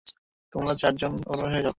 তোমরা চারজন ওর বাসায় যাও।